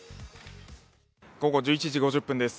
午後１１時５０分です